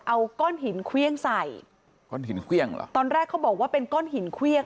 เอาก้อนหินเครื่องใส่ก้อนหินเครื่องเหรอตอนแรกเขาบอกว่าเป็นก้อนหินเครื่อง